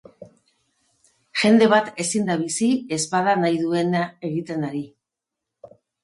Jende bat ezin da bizi ez bada nahi duena egiten ari.